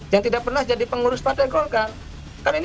yang tidak pernah jadi pengurus partai golkar